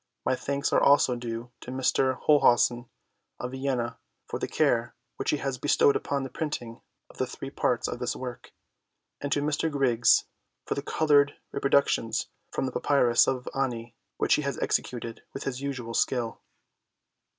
My thanks are also due to Mr. Holzhausen of Vienna for the care which he has bestowed upon the printing of the three parts of this work, and to Mr. Griggs for the coloured reproductions from the Papyrus of Ani which he has executed with his usual skill.